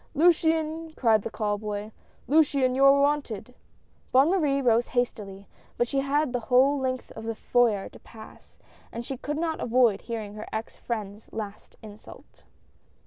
" Luciane !" cried the call boy, " Luciane, you are wanted !" Bonne Marie rose hastily, but she had the whole length of the foyer to pass, and she could not avoid hearing her ex friend's last insult.